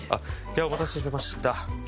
お待たせしました。